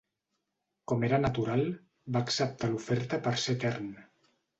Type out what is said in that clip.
Com era natural, va acceptar l'oferta per ser etern.